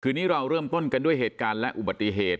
นี้เราเริ่มต้นกันด้วยเหตุการณ์และอุบัติเหตุ